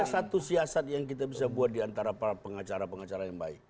ada satu siasat yang kita bisa buat diantara para pengacara pengacara yang baik